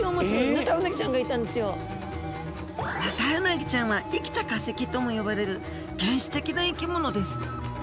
ヌタウナギちゃんは生きた化石とも呼ばれる原始的な生き物です。